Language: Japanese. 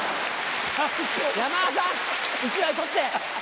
山田さん１枚取って！